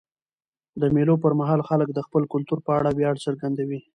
د مېلو پر مهال خلک د خپل کلتور په اړه ویاړ څرګندوي.